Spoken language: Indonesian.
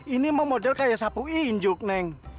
ini mau model kayak sapu injuk neng